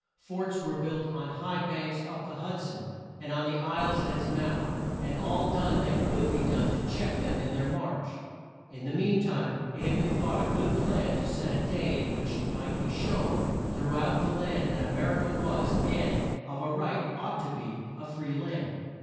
Forts were built on high banks up the Hud son, and on the isles at its mouth, and all done that could be done to check them in their march. In the mean time it had been thought a good plan to set a day in which it might be shown through out the land that A mer i ca was, and, of a right, ought to be, a free land.